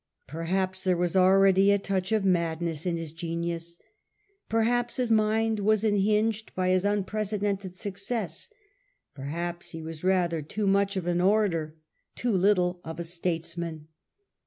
Perhaps there was already a touch of madness in his genius ; perhaps his mind was unhinged by his unpre cedented success ; perhaps he was rather too much of an orator, too little of a statesman.